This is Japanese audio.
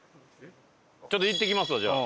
ちょっと行ってきますわじゃあ。